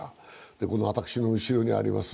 この私の後ろにあります